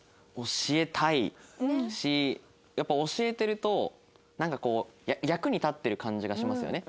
教えたいしやっぱり教えてるとなんかこう役に立ってる感じがしますよね。